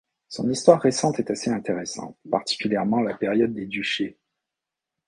Son histoire récente est assez intéressante, particulièrement la période des duchés.